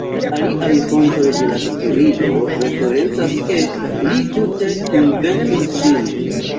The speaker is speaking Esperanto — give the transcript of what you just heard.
Aliaj fontoj de la historio referencas ke li tute inventis ŝin.